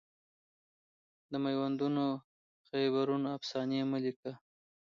د میوندونو خیبرونو افسانې مه لیکه